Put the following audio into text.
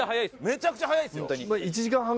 めちゃくちゃ早いですよ！